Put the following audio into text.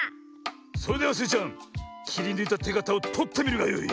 それではスイちゃんきりぬいたてがたをとってみるがよい。